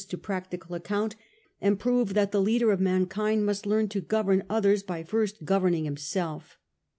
to practical account, and prove that the ruler of mankind must learn to govern others by first governing himself.